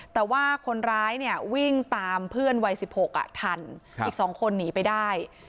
แต่ว่าคนร้ายเนี่ยวิ่งตามเพื่อนวัย๑๖ทันอีก๒คนหนีไปได้